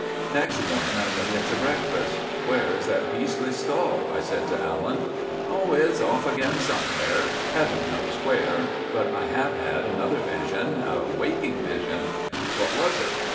Next morning I went in to breakfast. "Where is that beastly skull?" I said to Allan. "Oh, it's off again somewhere. Heaven knows where; but I have had another vision, a waking vision." "What was it?"